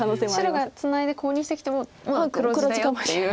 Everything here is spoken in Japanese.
白がツナいでコウにしてきても黒地だよっていう。